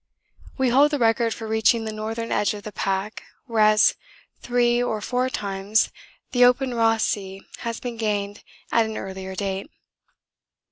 'We hold the record for reaching the northern edge of the pack, whereas three or four times the open Ross Sea has been gained at an earlier date.